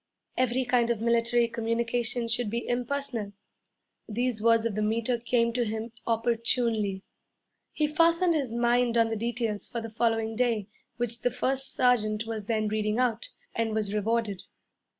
'Every kind of military communication should be impersonal.' These words of the Meter came to him opportunely. He fastened his mind on the details for the following day which the first sergeant was then reading out, and was rewarded.